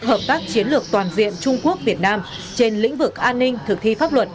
hợp tác chiến lược toàn diện trung quốc việt nam trên lĩnh vực an ninh thực thi pháp luật